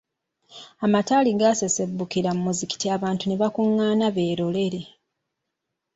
Amataali gaasessebbukira mu muzigiti abantu ne bakungaana beerolere.